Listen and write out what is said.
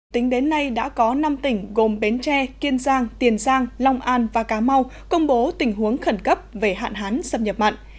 tính đến nay đã có năm tỉnh gồm bến tre kiên giang tiền giang long an và cá mau công bố tình huống khẩn cấp về hạn hán xâm nhập mặn